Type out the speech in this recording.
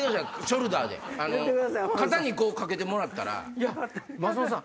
ショルダーで肩にこう掛けてもらったら。